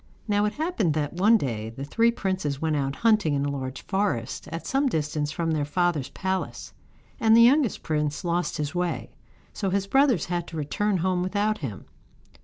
Now it happened that one day the three princes went out hunting in a large forest at some distance from their father's palace, and the youngest prince lost his way, so his brothers had to return home without him.